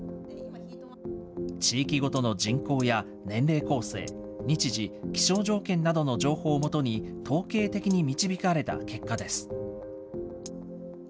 地域ごとの人口や年齢構成、日時、気象条件などの情報を基に統計的に導かれた結果です。